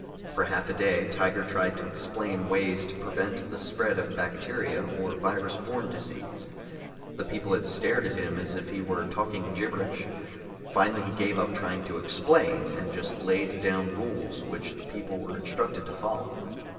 For half a day Tiger tried to explain ways to prevent the spread of a bacteria or virus borne disease. The people had stared at him as if he were talking gibberish; finally he gave up trying to explain, and just laid down rules which the people were instructed to follow.